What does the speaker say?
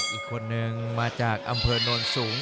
อีกคนนึงมาจากอำเภอโนนสูง